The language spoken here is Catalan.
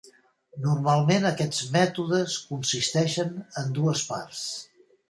Normalment aquests mètodes consisteixen en dues parts.